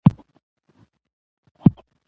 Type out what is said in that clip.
همدا شان د نور محمد وردک وژنه